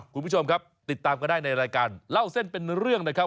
คุณผู้ชมครับติดตามก็ได้ในรายการเล่าเส้นเป็นเรื่องนะครับ